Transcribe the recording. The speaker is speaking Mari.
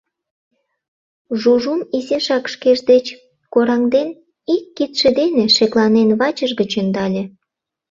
Жужум изишак шкеж деч кораҥден, ик кидше дене, шекланен, вачыж гыч ӧндале.